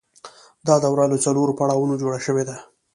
دا دوره له څلورو پړاوونو جوړه شوې ده